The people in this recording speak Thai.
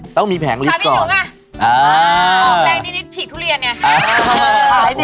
ต้องมีแผลงฤทธิ์ก่อนอ๋อออกแรงนิดฉี่ทุเรียนไง